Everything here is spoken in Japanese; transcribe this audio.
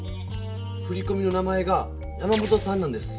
ふりこみの名前が山本さんなんです。